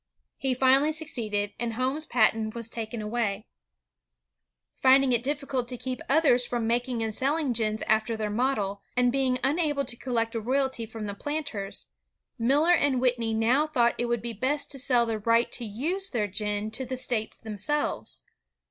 He finally succeeded and Homes's patent was taken away. ELI WHITNEY IIQ Finding it difficult to keep others from making and selling gins after their model, and being imable to collect a royalty from the planters, Miller and Whitney now thought it would be best to sell the right to use their gin to the states themselves.